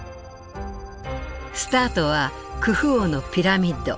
スタートはクフ王のピラミッド。